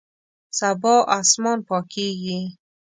سبا اسمان پاکیږي